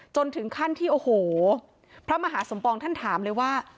จนถึงขั้นที่โอ้โหพระมหาสมปองท่านถามเลยว่า